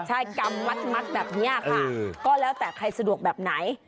ใช่กำมัดแบบนี้ค่ะก็แล้วแต่ใครสะดวกแบบไหน